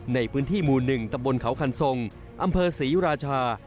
ในพื้นที่หมู่๑ตะบนเขาคันทรงอำเภอศรีราชา